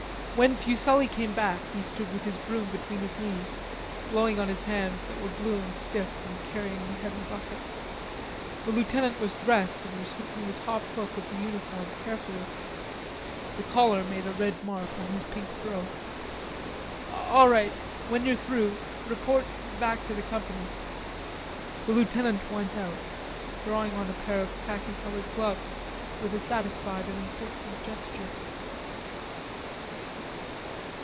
When Fuselli came back, he stood with his broom between his knees, blowing on his hands that were blue and stiff from carrying the heavy bucket. The lieutenant was dressed and was hooking the top hook of the uniform carefully. The collar made a red mark on his pink throat. "All right; when you're through, report back to the Company." The lieutenant went out, drawing on a pair of khaki colored gloves with a satisfied and important gesture.